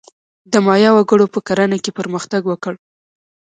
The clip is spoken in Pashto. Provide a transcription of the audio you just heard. د مایا وګړو په کرنه کې پرمختګ وکړ.